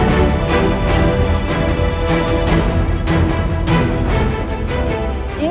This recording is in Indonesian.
dan setelah itu